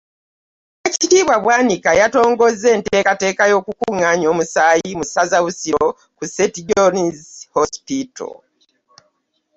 Oweekitiibwa Bwanika yatongozza enteekateeka y'okukungaanya omusaayi mu ssaza Busiro ku St. John's Hospital